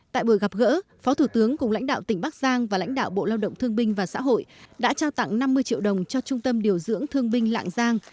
tại buổi gặp gỡ phó thủ tướng cùng lãnh đạo tỉnh bắc giang và lãnh đạo bộ lao động thương binh và xã hội đã trao tặng năm mươi triệu đồng cho trung tâm điều dưỡng thương binh lạng giang